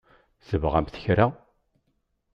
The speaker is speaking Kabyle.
Tebɣamt kra?